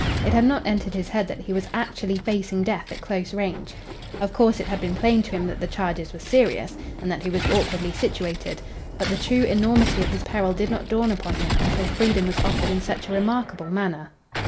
It had not entered his head that he was actually facing death at close range. Of course, it had been plain to him that the charges were serious, and that he was awkwardly situated, but the true enormity of his peril did not dawn upon him until freedom was offered in such a remarkable manner.